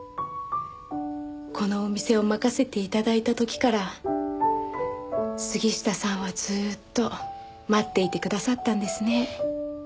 このお店を任せて頂いた時から杉下さんはずーっと待っていてくださったんですね。